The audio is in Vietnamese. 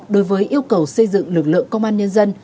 đối với yêu cầu xây dựng lực lượng công an nhân dân